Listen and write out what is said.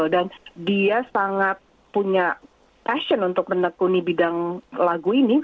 dan dia sangat punya passion untuk menekuni bidang lagu ini